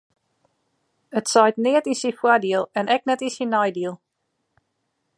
It seit neat yn syn foardiel en ek net yn syn neidiel.